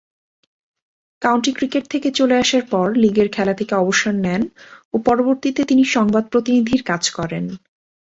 County cricket থেকে চলে আসার পর লীগের খেলা থেকে অবসর নেন ও পরবর্তীতে তিনি সংবাদ প্রতিনিধির কাজ করেন।